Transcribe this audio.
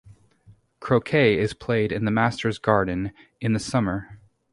Croquet is played in the Masters' Garden in the summer.